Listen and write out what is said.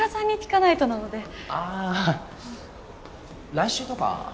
来週とか。